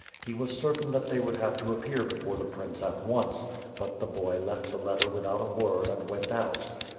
He was certain that they would have to appear before the prince at once, but the boy left the letter without a word and went out.